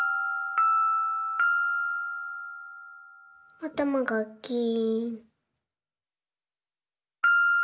あたまがキーン。